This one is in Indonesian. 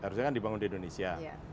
harusnya kan dibangun di indonesia